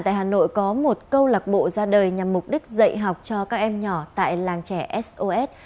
tại hà nội có một câu lạc bộ ra đời nhằm mục đích dạy học cho các em nhỏ tại làng trẻ sos